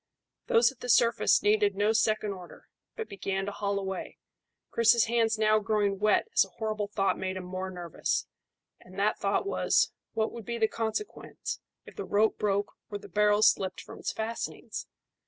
Those at the surface needed no second order, but began to haul away, Chris's hands now growing wet as a horrible thought made him more nervous; and that thought was, What would be the consequence if the rope broke or the barrel slipped from its fastenings?